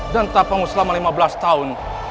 dan tapamu selama lima belas tahun